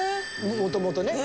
もともとね。